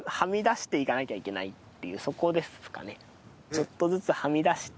ちょっとずつはみ出して